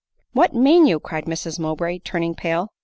"What mean you?" cried Mrs Mowbray, turning pale.